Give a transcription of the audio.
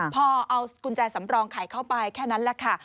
พอเอากุญแจสำรองไข่เข้าไปแค่นั้นแหละค่ะ